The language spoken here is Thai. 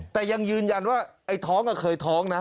แต่ยังยืนยันว่าไอ้ท้องก็เคยท้องนะ